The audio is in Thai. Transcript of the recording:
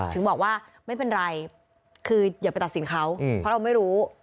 ถึงบอกว่าไม่เป็นไรคืออย่าไปตัดสินเขาเพราะเราไม่รู้